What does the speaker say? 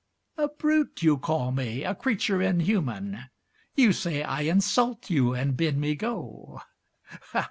A brute you call me, a creature inhuman; You say I insult you, and bid me go.